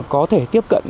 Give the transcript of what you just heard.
có thể tiếp cận